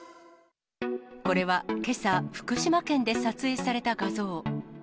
これはけさ、福島県で撮影された画像。